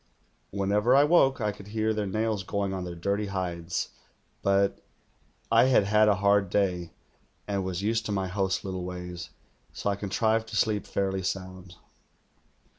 Whenever I woke I could hear their nails going on their dirty hides; but I had had a hard day and was used to my hosts' little ways, so I contrived to sleep fairly sound.